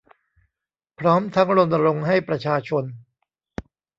พร้อมทั้งรณรงค์ให้ประชาชน